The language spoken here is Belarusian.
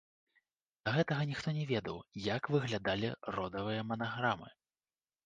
Да гэтага ніхто не ведаў, як выглядалі родавыя манаграмы.